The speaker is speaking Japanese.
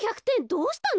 どうしたの？